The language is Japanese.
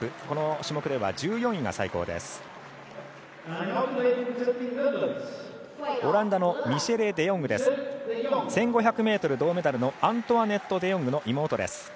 この種目では１４位が最高です。